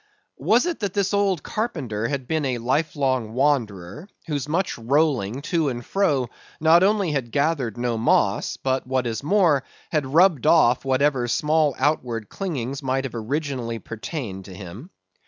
Was it that this old carpenter had been a life long wanderer, whose much rolling, to and fro, not only had gathered no moss; but what is more, had rubbed off whatever small outward clingings might have originally pertained to him?